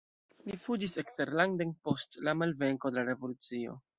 Li fuĝis eksterlanden post la malvenko de la revolucio.